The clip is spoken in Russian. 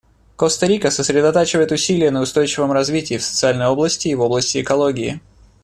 Коста-Рика сосредоточивает усилия на устойчивом развитии в социальной области и в области экологии.